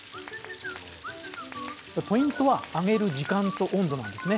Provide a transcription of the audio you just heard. ポイントは揚げる時間と温度なんですね。